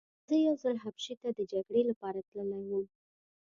زه یو ځل حبشې ته د جګړې لپاره تللی وم.